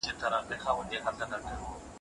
ماشوم هڅه کوله چې د انا پام خپلو لوبو ته واړوي.